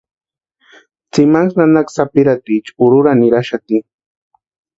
Tsimani nanaka sapirhatiecha urhurani niraxati.